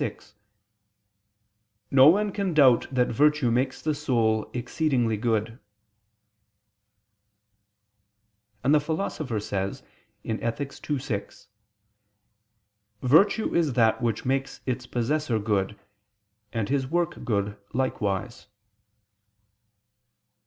vi): "No one can doubt that virtue makes the soul exceeding good": and the Philosopher says (Ethic. ii, 6): "Virtue is that which makes its possessor good, and his work good likewise."